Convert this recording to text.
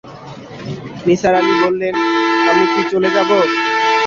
নিসার আলি বললেন, আমি কি চলে যাব?